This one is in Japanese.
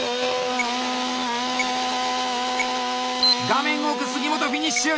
画面奥杉本フィニッシュ！